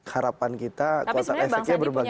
harapan kita kosong efeknya berbagi